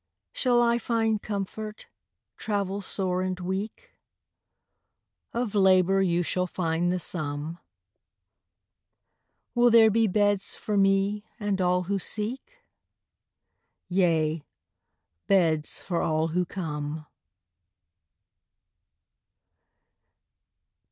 Shall I find comfort, travel sore and weak? Of labor you shall find the sum. Will there be beds for me and all who seek? Yea, beds for all who come.